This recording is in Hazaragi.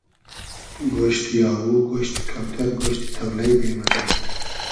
گۉشتی آوو, گۉشتی کۆتئر, گۉشتی تۆلݷ بې مئزۂ